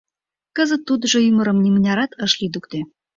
Кызыт тудыжо ӱдырым нимынярат ыш лӱдыктӧ.